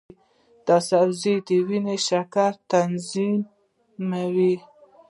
دا سبزی د وینې شکر تنظیموي.